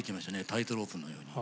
タイトロープのように。